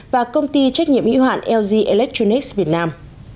và công ty trách nhiệm hữu hạn lg electronics việt nam